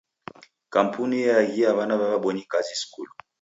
Kampuni eaghia w'ana w'a w'abonyi kazi skulu.